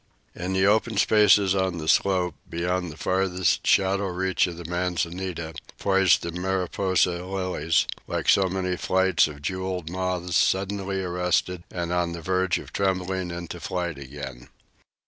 In the open spaces on the slope, beyond the farthest shadow reach of the manzanita, poised the mariposa lilies, like so many flights of jewelled moths suddenly arrested and on the verge of trembling into flight again.